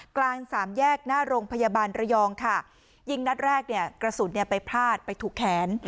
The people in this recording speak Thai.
กลาง๓แยกหน้าโรงพยาบาลระยองยิงนัดแรกกระสุนไปพลาดไปถูกแขน